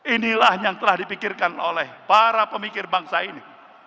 inilah yang telah dipikirkan oleh para pemikir bangsa ini